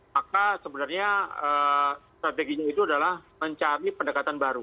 maka sebenarnya strateginya itu adalah mencari pendekatan baru